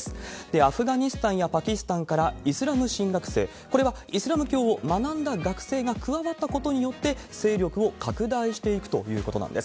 アフガニスタンやパキスタンからイスラム神学生、これはイスラム教を学んだ学生が加わったことによって、勢力を拡大していくということなんです。